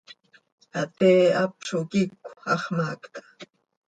Hatee hap zo quicö, hax maacta.